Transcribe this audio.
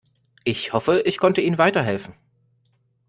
Ich hoffe, ich konnte ihnen weiterhelfen.